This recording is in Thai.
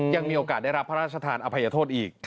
ยังมีโอกาสได้รับพระราชทานอภัยโทษอีก